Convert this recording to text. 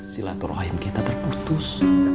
silaturahim kita terputus